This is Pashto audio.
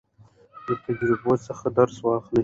له تجربو څخه درس واخلئ.